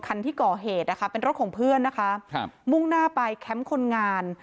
คันที่ก่อเหตุนะคะเป็นรถของเพื่อนนะคะครับมุ่งหน้าไปแคมป์คนงาน